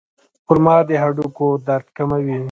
خرما د هډوکو درد کموي.